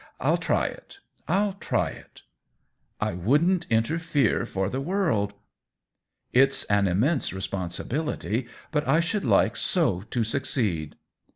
" I'll try it— I'll try it !"" I wouldn't interfere for the world." "It's an immense responsibility; but I should like so to succeed."